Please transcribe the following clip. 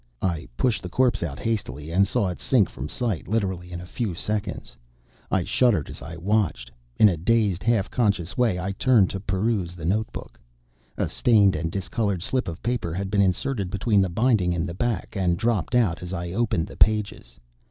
I pushed the corpse out hastily, and saw it sink from sight literally in a few seconds. I shuddered as I watched. In a dazed, half conscious way I turned to peruse the notebook. A stained and discolored slip of paper had been inserted between the binding and the back, and dropped out as I opened the pages.